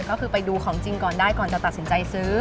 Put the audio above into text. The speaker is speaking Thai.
ก็คือไปดูของจริงก่อนได้ก่อนจะตัดสินใจซื้อ